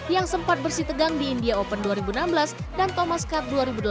yang sempat bersih tegang di india open dua ribu enam belas dan thomas cup dua ribu delapan belas